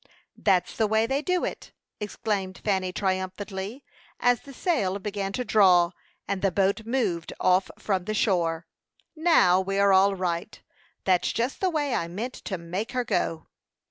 "That's the way they do it!" exclaimed Fanny, triumphantly, as the sail began to draw, and the boat moved off from the shore. "Now, we are all right. That's just the way I meant to make her go."